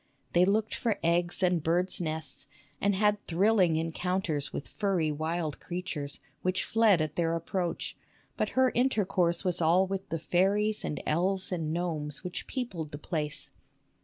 They looked for eggs and birds' nests, and had thrilling encounters with furry wild creatures, which fled at their approach ; but her inter course was all with the fairies and elves and gnomes which peopled the place.